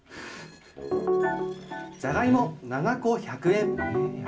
じゃがいも７個１００円。